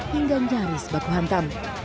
hingga nyaris bakuhantan